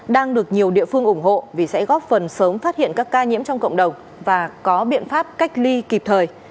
đang được nhiều địa phương ủng hộ vì sẽ góp phần sớm phát hiện các ca nhiễm trong cộng đồng và có biện pháp cách ly kịp thời